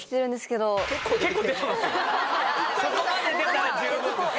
いやそこまで出たら十分ですよ